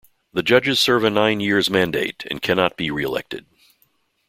The judges serve a nine years mandate and cannot be re-elected.